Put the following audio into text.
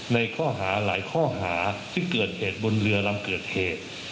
ในข้อหาหลายข้อหาซึ่งเกิดเหตุบนเรือลำเกิดเหตุ